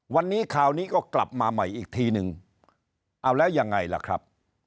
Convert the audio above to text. วันนี้ข่าวนี้ก็กลับมาใหม่อีกทีนึงเอาแล้วยังไงล่ะครับ